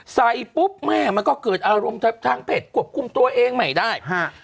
ปุ๊บแม่มันก็เกิดอารมณ์ทางเพจควบคุมตัวเองไม่ได้ฮะ